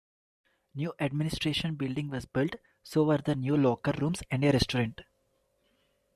New administration building was built, so were the new locker rooms and a restaurant.